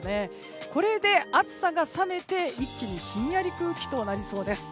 これで暑さが冷めて一気にひんやり空気となりそうです。